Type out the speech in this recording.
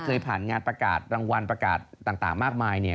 เคยผ่านงานประกาศรางวัลประกาศต่างมากมาย